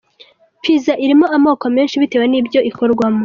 Pizza irimo amoko menshi bitewe n’ibyo ikorwamo.